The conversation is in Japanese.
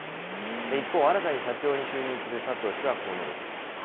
一方、新たに社長に就任する佐藤氏はこう述べています。